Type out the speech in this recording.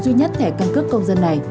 duy nhất thẻ căn cước công dân này